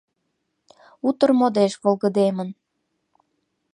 Утыр модеш волгыдемын.